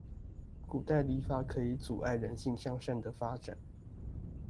古代禮法可以阻礙人性向上的發展